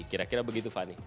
kira kira begitu fani